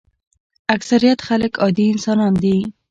اکثریت خلک عادي انسانان دي.